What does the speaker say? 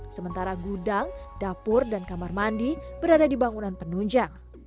sementara gudang dapur dan kamar mandi berada di bangunan penunjang